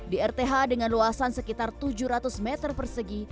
di rth dengan luasan sekitar tujuh ratus meter persegi